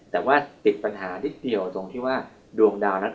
แต่ว่าติดปัญหานิดเดียวตรงที่ว่าดวงดาวนั้น